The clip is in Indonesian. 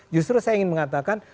justru saya ingin mengatakan